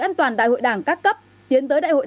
an toàn đại hội đảng các cấp tiến tới đại hội